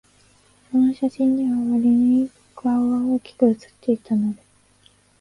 その写真には、わりに顔が大きく写っていたので、